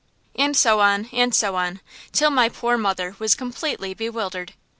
And so on, and so on, till my poor mother was completely bewildered.